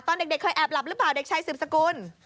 ตอนเด็กเคยแอบหลับหรือเปล่าเด็กชายสืบสกุล